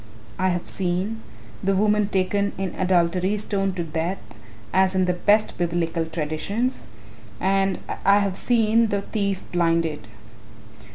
I have seen, the woman taken in adultery stoned to death as in the best Biblical traditions, and I have seen the thief blinded."